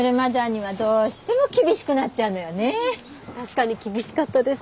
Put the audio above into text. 確かに厳しかったです。